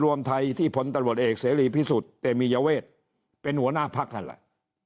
รวมไทยที่ผลตำรวจเอกเสรีพิสุทธิ์เตมียเวทเป็นหัวหน้าพักนั่นแหละ